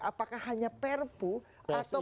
apakah hanya perpu atau